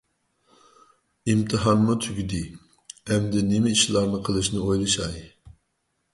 ئىمتىھانمۇ تۈگىدى، ئەمدى نېمە ئىشلارنى قىلىشنى ئويلىشاي.